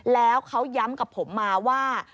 แล้วเขาย้ำกับผมมาว่า